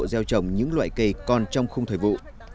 gieo trồng những loại cây còn trong khung thời vụ